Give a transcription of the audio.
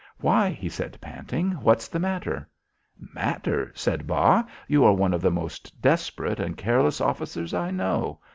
"Why," he said panting, "what's the matter?" "Matter?" said Bas. "You are one of the most desperate and careless officers I know.